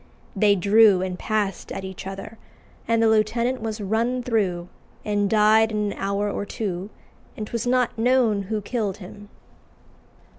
They drew and passed at each other, and the lieutenant was runne through, and died in an hour or two, and 'twas not known who killed him."